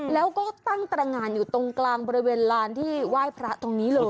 แล้วก็ตั้งตรงานอยู่ตรงกลางบริเวณลานที่ไหว้พระตรงนี้เลย